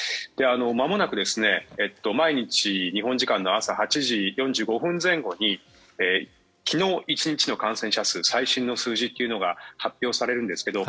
まもなく毎日日本時間の朝８時４５分前後に昨日１日の感染者数最新の数字というのが発表されるんですけど